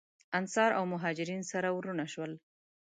انصار او مهاجرین سره وروڼه شول.